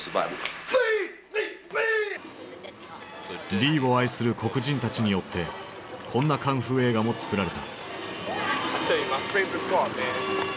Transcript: リーを愛する黒人たちによってこんなカンフー映画も作られた。